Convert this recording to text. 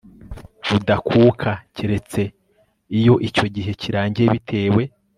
budakuka keretse iyo icyo gihe kirangiye bitewe